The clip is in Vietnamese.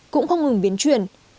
cũng không ngừng biến truyền